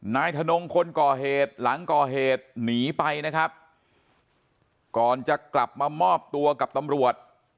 นายถนงคนก่อเหตุหลังก่อเหตุหนีไปนะครับก่อนจะกลับมามอบตัวกับตำรวจ